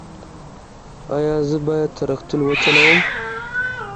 ایا زه باید تراکتور وچلوم؟